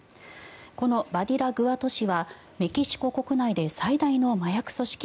このバディラグアト市はメキシコ国内で最大の麻薬組織